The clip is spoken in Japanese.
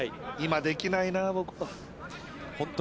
今できないな、僕は。